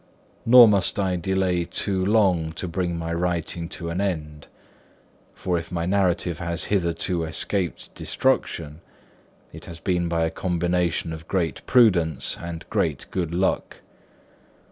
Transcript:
Nor must I delay too long to bring my writing to an end; for if my narrative has hitherto escaped destruction, it has been by a combination of great prudence and great good luck.